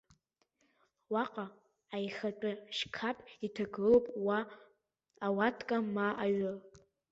Уаҟа аихатәы шьқаԥ иҭагылоуп ма ауатка, ма аҩы.